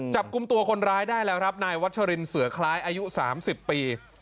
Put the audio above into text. จับกลุ่มตัวคนร้ายได้แล้วครับนายวัชรินเสือคล้ายอายุ๓๐ปี